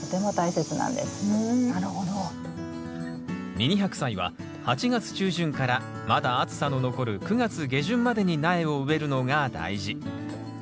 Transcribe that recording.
ミニハクサイは８月中旬からまだ暑さの残る９月下旬までに苗を植えるのが大事。